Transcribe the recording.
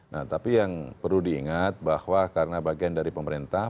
nah tapi yang perlu diingat bahwa karena bagian dari pemerintah